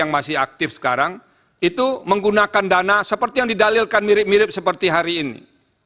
yang masih aktif sekarang itu menggunakan dana seperti yang didalilkan mirip mirip seperti hari ini